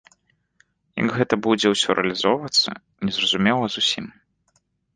Як гэта будзе ўсё рэалізоўвацца, незразумела зусім.